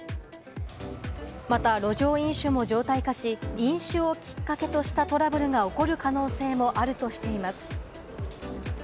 また路上飲酒も常態化し、飲酒をきっかけとしたトラブルが起こる可能性もあるとしています。